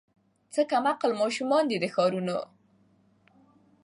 څه کم عقل ماشومان دي د ښارونو